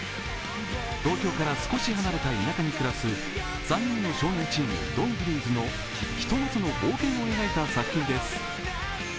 東京から少し離れた田舎に暮らす３人の少年チーム、ドン・グリーズの、ひと夏の冒険を描いた作品です。